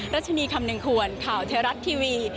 รัชนีคำหนึ่งควรข่าวไทยรัฐทีวี